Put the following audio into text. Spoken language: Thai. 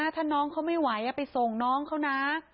ถ้าน้องเขาไม่ไหวไปส่งน้องเขานะ